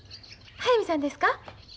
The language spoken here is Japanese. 速水さんですか？